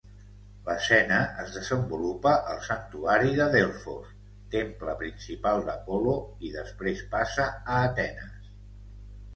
L'escena es desenvolupa al santuari de Delfos, temple principal d'Apol·lo, i després passa a Atenes.